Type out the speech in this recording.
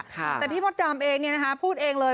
แต่พี่มดดำเองเนี่ยนะคะพูดเองเลย